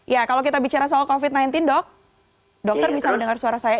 ya kalau kita bicara soal covid sembilan belas dok dokter bisa mendengar suara saya